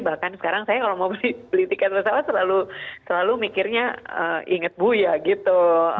bahkan sekarang saya kalau mau beli tiket pesawat selalu mikirnya inget bu ya gitu